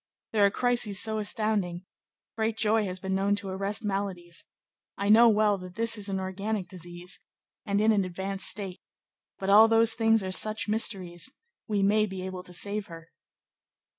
there are crises so astounding; great joy has been known to arrest maladies; I know well that this is an organic disease, and in an advanced state, but all those things are such mysteries: we may be able to save her."